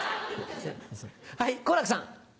はい好楽さん。